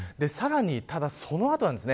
ただその後です。